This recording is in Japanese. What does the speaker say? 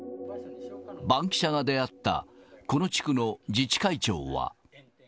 バンキシャが出会ったこの地区の自治会長は。